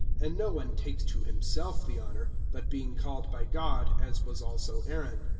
(4)And no one takes to himself the honor, but being called by God, as was also Aaron.